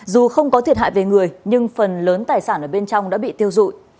dù không có thiệt hại về người nhưng phần lớn tài sản ở bên trong đã bị tiêu dụi